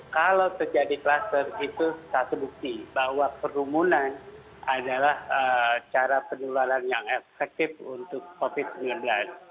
kalau terjadi kluster itu satu bukti bahwa kerumunan adalah cara penularan yang efektif untuk covid sembilan belas